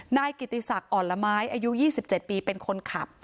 นายกิติศักดิ์อ่อนละไม้อายุ๒๗ปีเป็นคนขับ